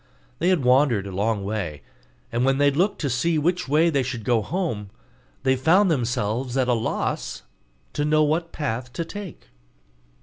They had wandered a long way; and when they looked to see which way they should go home, they found themselves at a loss to know what path to take.